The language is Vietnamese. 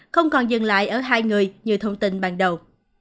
không còn dừng lại ở hai người như thông tin ban đầu